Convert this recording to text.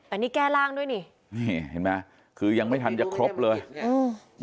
อันนี้แก้ร่างด้วยนี่นี่เห็นไหมคือยังไม่ทันจะครบเลยอืม